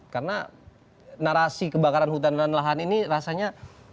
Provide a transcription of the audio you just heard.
karena narasi kebakaran hutan dan lahan ini rasanya